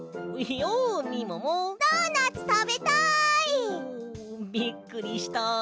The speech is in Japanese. おおびっくりした。